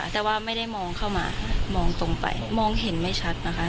แต่ว่าไม่ได้มองเข้ามามองตรงไปมองเห็นไม่ชัดนะคะ